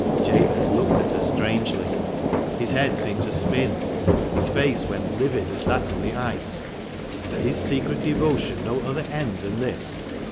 Jabez looked at her strangely. His head seemed to spin. His face went livid as that on the ice. Had his secret devotion no other end than this